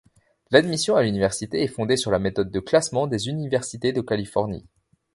L'admission à l'université est fondée sur la méthode de classement des Universités de Californie.